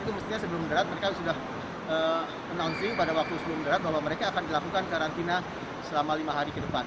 itu mestinya sebelum derat mereka sudah menonsing pada waktu sebelum berat bahwa mereka akan dilakukan karantina selama lima hari ke depan